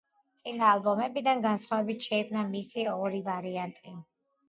წინა ალბომებისგან განსხვავებით, შეიქმნა მისი ორი ვარიანტი.